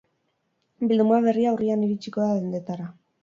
Bilduma berria urrian iritsiko da dendetara.